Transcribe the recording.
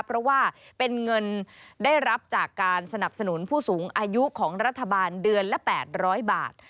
เพราะว่าเป็นเงินได้รับจากการสนับสนุนผู้สูงอายุของรัฐบาลเดือนละ๘๐๐บาท